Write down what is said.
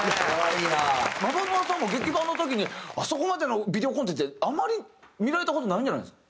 ｍａｂａｎｕａさんも劇伴の時にあそこまでのビデオコンテってあまり見られた事ないんじゃないですか？